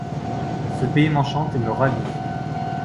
Ce pays m’enchante et me ravit.